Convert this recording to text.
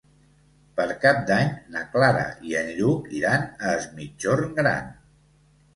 Per Cap d'Any na Clara i en Lluc iran a Es Migjorn Gran.